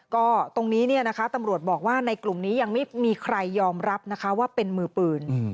ก็ตรงนี้ตำรวจบอกว่าในกลุ่มนี้ยังไม่มีใครยอมรับว่าเป็นมือปืน